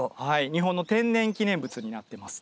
日本の天然記念物になってます。